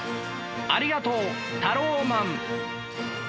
ありがとうタローマン！